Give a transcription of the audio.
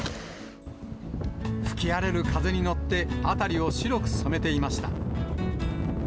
吹き荒れる風に乗って、辺りを白く染めていました。